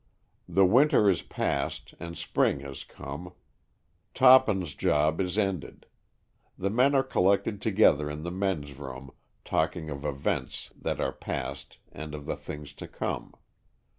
The winter is past and spring has come. Tophan's job is ended. The men are collected together in the "men's room'' talking of events that are past and of the things to come.